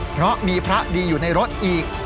เพราะมีพระดีอยู่ในรถอีก